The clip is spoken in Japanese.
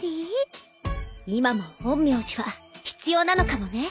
今も陰陽師は必要なのかもね。